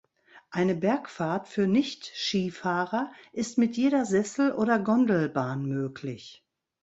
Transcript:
Eine Bergfahrt für Nicht-Skifahrer ist mit jeder Sessel- oder Gondelbahn möglich.